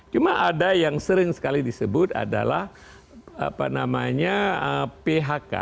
cuma ada yang sering sekali disebut adalah phk